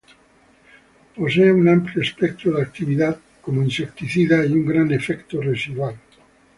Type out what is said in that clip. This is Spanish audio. Posee una amplio espectro de actividad como insecticida y un gran efecto residual.